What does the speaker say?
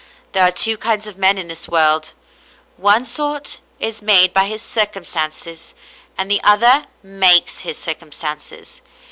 There are two kinds of men in this world, — one sort is made by his circum stances, and the other makes his circumstances.